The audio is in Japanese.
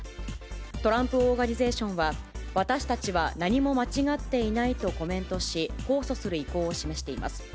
トランプ・オーガニゼーションは、私たちは何も間違っていないとコメントし、控訴する意向を示しています。